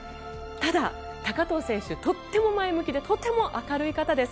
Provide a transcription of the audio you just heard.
ただ、高藤選手とっても前向きでとても明るい方です。